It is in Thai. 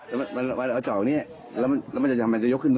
แล้วได้คุยกับอะไรกับให้สันตินะก็ไม่ได้คุย